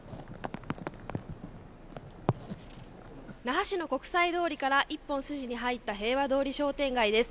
那覇市の国際通りから１本筋に入った平和通り商店街です